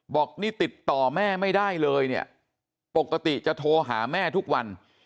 บอกนี่ติดต่อแม่ไม่ได้เลยเนี่ยปกติจะโทรหาแม่ทุกวัน